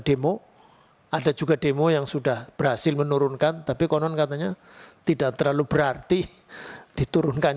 demo ada juga demo yang sudah berhasil menurunkan tapi konon katanya tidak terlalu berarti diturunkan